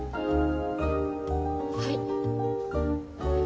はい。